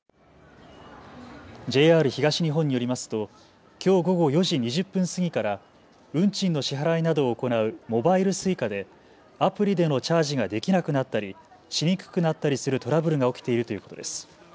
ＪＲ東日本によりますときょう午後４時２０分過ぎから運賃の支払いなどを行うモバイルＳｕｉｃａでアプリでのチャージができなくなったりしにくくなったりするトラブルが起きているということです。